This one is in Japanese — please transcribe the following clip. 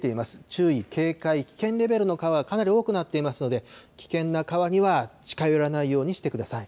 注意、警戒、危険レベルの川がかなり多くなっていますので、危険な川には近寄らないようにしてください。